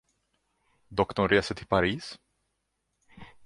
Doktorn reser till Paris?